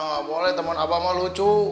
gak boleh temen abah mah lucu